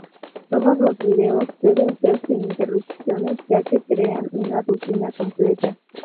Todos los videos deben ser sin interrupciones, ya que crean una rutina completa.